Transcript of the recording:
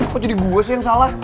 kok jadi gue sih yang salah